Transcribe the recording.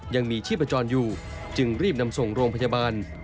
ยังมีชีพจรอยู่จึงรีบนำส่งโรงพยาบาล